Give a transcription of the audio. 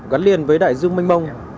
gắn liền với đại dương mênh mông